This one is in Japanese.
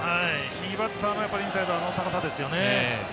右バッターのインサイドは、あの高さですね。